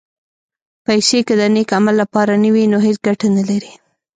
پېسې که د نېک عمل لپاره نه وي، نو هېڅ ګټه نه لري.